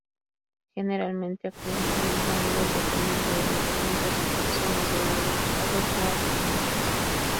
Generalmente accesos al mismo nivel. Dependen de ayuntamientos, diputaciones y en algunos casos de autonomías.